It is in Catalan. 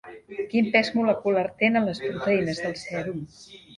Quin pes molecular tenen les proteïnes del sèrum?